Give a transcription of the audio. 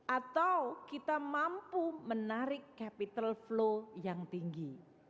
atau kita mampu menarik capital flow yang tinggi